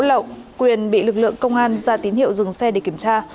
lậu quyền bị lực lượng công an ra tín hiệu dừng xe để kiểm tra